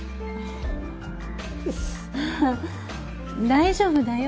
大丈夫だよ。